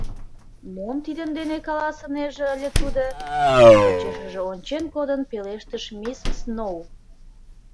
Мом тидын дене каласынеже ыле тудо? — почешыже ончен кодын пелештыш мисс Сноу.